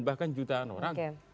bahkan jutaan orang